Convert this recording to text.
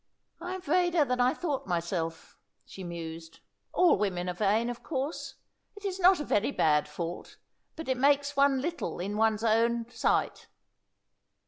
"I am vainer than I thought myself," she mused. "All women are vain, of course. It is not a very bad fault, but it makes one little in one's own sight."